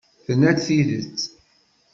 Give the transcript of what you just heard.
Tenna-d tidet?